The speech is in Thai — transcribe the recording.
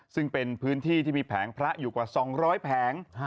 ซึ่งเป็นพื้นที่ที่มีแผงพระอยู่กว่า๒๐๐แผง